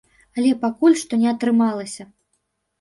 Але пакуль што не атрымалася.